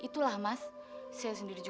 kalau psychological namanya